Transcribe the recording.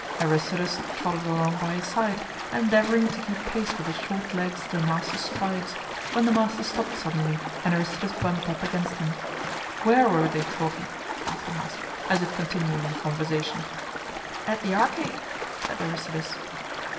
Aristides trotted along by his side, endeavoring to keep pace with his short legs to the master's strides, when the master stopped suddenly, and Aristides bumped up against him. "Where were they talking?" asked the master, as if continuing the conversation. "At the Arcade," said Aristides.